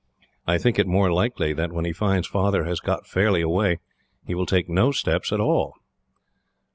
I think it more likely that, when he finds Father has got fairly away, he will take no steps at all.